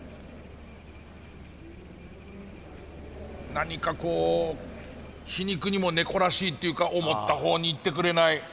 何かこう皮肉にもネコらしいっていうか思ったほうに行ってくれない。